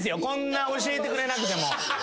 こんな教えてくれなくても。